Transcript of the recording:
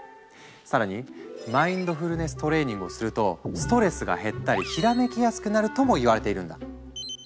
更にマインドフルネス・トレーニングをするとストレスが減ったりひらめきやすくなるともいわれているんだ。